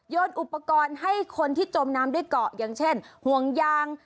อุปกรณ์ให้คนที่จมน้ำด้วยเกาะอย่างเช่นห่วงยาง